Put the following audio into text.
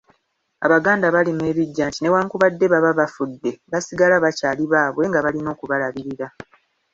Abaganda balima ebiggya nti newankubadde baba bafudde, basigala bakyaali baabwe nga balina okubalabirira.